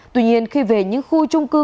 tuy nhiên khi về những khu trung cư